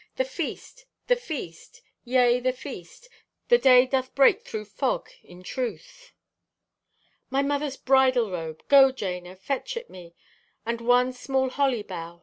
The feast, the feast, yea, the feast! The day doth break thro' fog in truth! "My mother's bridal robe! Go, Jana, fetch it me, and one small holly bough.